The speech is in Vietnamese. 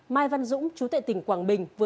mai văn dũng chú tại tỉnh quảng bình